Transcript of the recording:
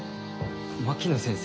槙野先生